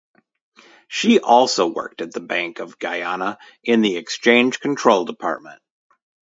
She also worked at the Bank of Guyana in the Exchange Control Department.